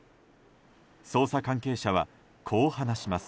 捜査関係者は、こう話します。